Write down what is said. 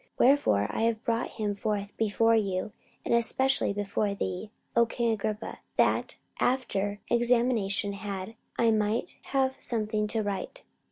Wherefore I have brought him forth before you, and specially before thee, O king Agrippa, that, after examination had, I might have somewhat to write.